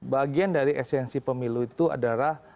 bagian dari esensi pemilu itu adalah